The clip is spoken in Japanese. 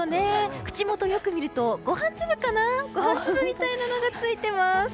口元をよく見るとご飯粒みたいなのがついています。